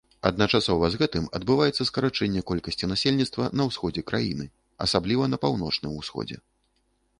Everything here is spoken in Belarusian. Адначасова з гэтым адбываецца скарачэнне колькасці насельніцтва на ўсходзе краіны, асабліва на паўночным усходзе.